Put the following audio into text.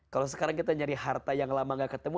kalau sekarang kita nyari harta yang lama gak ketemu